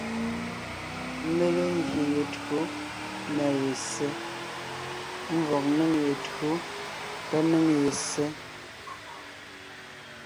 Ḿbéle ngyè ye tÿǒ na ye ssé (ḿvɔg ńnéŋ ye tÿǒ tá ńnéŋ ye ssé).